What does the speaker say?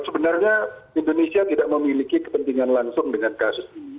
sebenarnya indonesia tidak memiliki kepentingan langsung dengan kasus ini